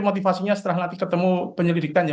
motivasinya setelah nanti ketemu penyelidikannya